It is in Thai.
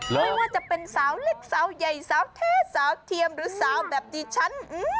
ไม่ว่าจะเป็นสาวเล็กสาวใหญ่สาวแท้สาวเทียมหรือสาวแบบดิฉัน